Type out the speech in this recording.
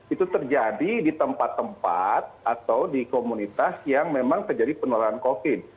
itu terjadi di tempat tempat atau di komunitas yang memang terjadi penularan covid